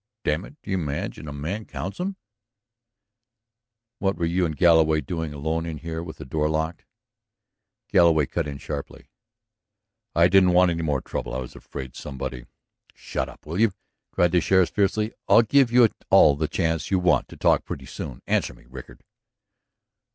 ... Damn it, do you imagine a man counts 'em?" "What were you and Galloway doing alone in here with the door locked?" Galloway cut in sharply: "I didn't want any more trouble; I was afraid somebody ..." "Shut up, will you?" cried the sheriff fiercely. "I'll give you all the chance you want to talk pretty soon. Answer me, Rickard."